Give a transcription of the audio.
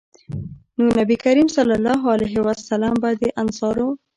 نو نبي کريم صلی الله علیه وسلّم به د انصارو